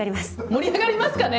盛り上がりますかね？